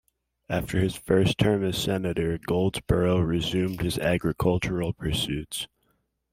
After his first term as Senator, Goldsborough resumed his agricultural pursuits.